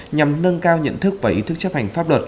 nhằm nâng cao nhận thức và ý thức chấp hành pháp luật